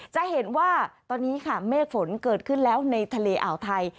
จะเห็นว่าตอนนี้ค่ะเมฆฝนเกิดขึ้นแล้วในทะเลอ่าวไทย